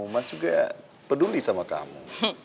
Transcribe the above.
umat juga peduli sama kamu